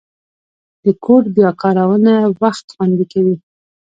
د کوډ بیا کارونه وخت خوندي کوي.